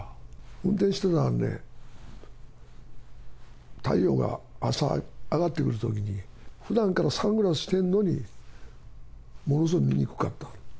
運転してたらね、太陽が朝、上がってくるときに、ふだんからサングラスしてんのに、ものすごく見にくかった。